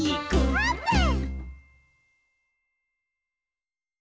あーぷん！